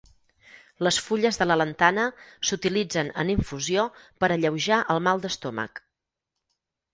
Les fulles de la lantana s'utilitzen en infusió per alleujar el mal d'estómac.